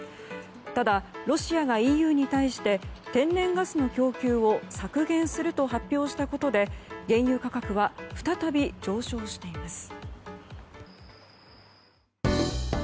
ただ、ロシアがＥＵに対して天然ガスの供給を削減すると発表したことで原油価格は再び上昇しています。